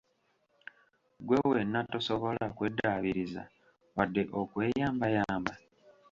Gwe wenna, tosobola kweddaabiriza wadde okweyambayamba!